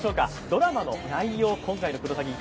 ドラマの内容、今回の「クロサギ」